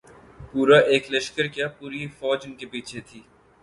پورا ایک لشکر کیا‘ پوری ایک فوج ان کے پیچھے تھی۔